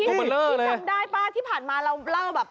จำได้ป่ะที่ผ่านมาเราเล่าแบบ